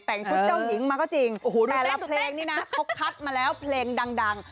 แต่งชุดเจ้าหญิงมาก็จริงแต่ละเพลงนี้นะเขาคัดมาแล้วเพลงดัง